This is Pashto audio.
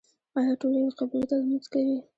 آیا ټول یوې قبلې ته لمونځ کوي؟